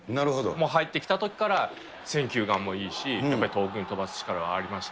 入ってきたときから選球眼もいいし、やっぱり遠くに飛ばす力はありました。